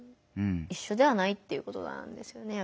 いっしょではないっていうことなんですよね。